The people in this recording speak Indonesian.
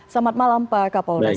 selamat malam pak kapolres